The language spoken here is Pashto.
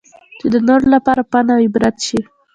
چې د نورو لپاره پند اوعبرت شي.